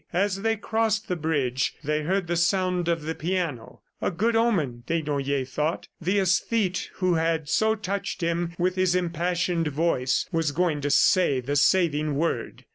As they crossed the bridge, they heard the sound of the piano a good omen, Desnoyers thought. The aesthete who had so touched him with his impassioned voice, was going to say the saving word.